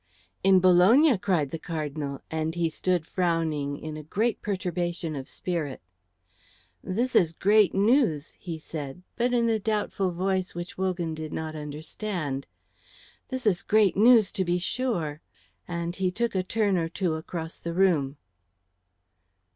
"In Bologna!" cried the Cardinal; and he stood frowning in a great perturbation of spirit. "This is great news," he said, but in a doubtful voice which Wogan did not understand. "This is great news, to be sure;" and he took a turn or two across the room.